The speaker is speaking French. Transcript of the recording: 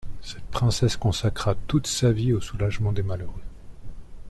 Cette princesse consacra toute sa vie au soulagement des malheureux.